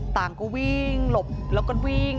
ต่างก็วิ่งหลบแล้วก็วิ่ง